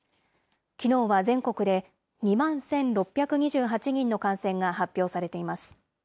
きのうは全国で２万１６２８人の感染が発表されています。